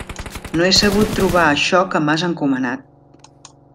No he sabut trobar això que m'has encomanat.